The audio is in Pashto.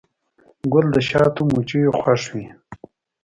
ګل د شاتو مچیو خوښ وي.